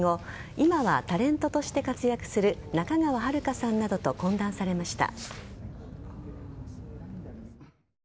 今は、タレントとして活躍する仲川遥香さんなどと懇談されました。